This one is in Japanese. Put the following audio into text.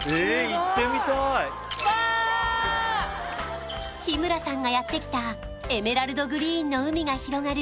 行ってみたいわっ日村さんがやってきたエメラルドグリーンの海が広がる